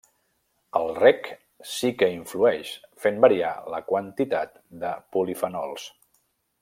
El reg sí que hi influeix, fent variar la quantitat de polifenols.